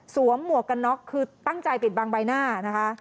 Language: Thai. หมวกกันน็อกคือตั้งใจปิดบังใบหน้านะคะ